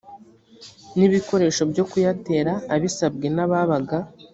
n ibikoresho byo kuyatera abisabwe n ababaga